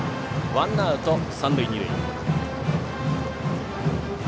ワンアウト、三塁二塁。